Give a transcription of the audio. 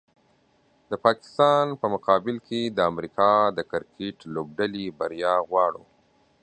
د پاکستان په مقابل کې د امریکا د کرکټ لوبډلې بریا غواړو